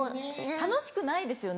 楽しくないですよね。